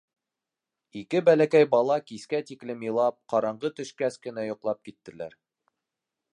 Ике бәләкәй бала кискә тиклем илап, ҡараңғы төшкәс кенә йоҡлап киттеләр.